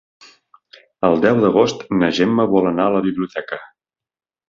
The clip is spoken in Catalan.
El deu d'agost na Gemma vol anar a la biblioteca.